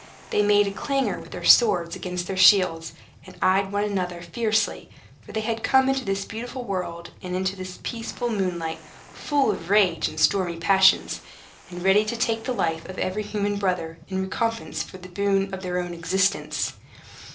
They made a clangor with their swords against their shields, and eyed one another fiercely; for they had come into this beautiful world, and into the peaceful moonlight, full of rage and stormy passions, and ready to take the life of every human brother, in recompense of the boon of their own existence.